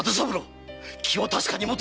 気を確かに持て！